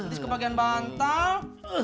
nanti ke bagian bantal